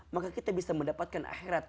maka kita bisa mendapatkan akhirat